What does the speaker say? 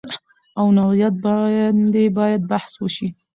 او نوعیت باندې باید بحث وشي